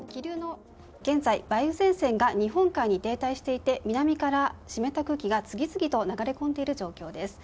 現在、梅雨前線が日本海に停滞していて南から湿った空気が次々と流れ込んでいる状況です。